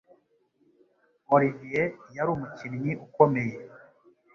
Olivier yari umukinnyi ukomeye